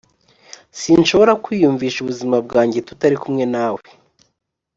sinshobora kwiyumvisha ubuzima bwanjye tutari kumwe nawe.